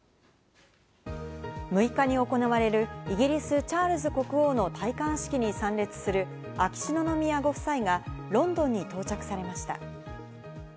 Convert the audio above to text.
６日に行われるイギリス・チャールズ国王の戴冠式に参列する秋篠宮ご夫妻がロンドンに到着されました。